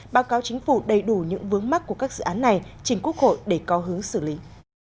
báo cáo chính phủ đầy đủ những vướng mắt của các dự án này trình quốc hội để có hướng xử lý